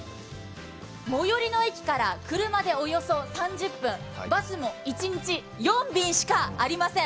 最寄りの駅から車でおよそ３０分バスも一日４便しかありません。